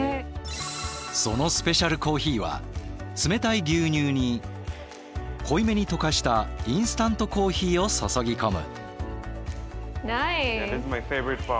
そのスペシャルコーヒーは冷たい牛乳に濃いめに溶かしたインスタントコーヒーを注ぎ込む。